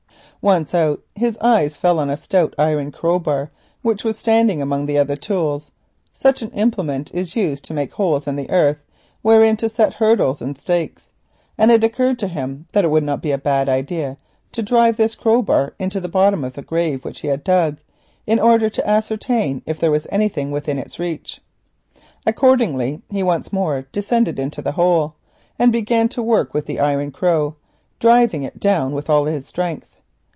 Once out, his eyes fell on a stout iron crowbar which was standing among the other tools, such an implement as is used to make holes in the earth wherein to set hurdles and stakes. It occurred to him that it would not be a bad idea to drive this crowbar into the bottom of the grave which he had dug, in order to ascertain if there was anything within its reach. So he once more descended into the hole and began to work with the iron crow, driving it down with all his strength.